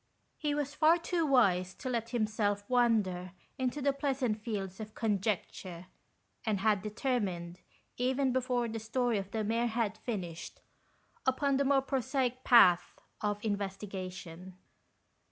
He was far too wise to let himself wander into the pleasant fields of conjecture, and had determined, even before the story of the mare had finished, upon the more prosaic path of investigation.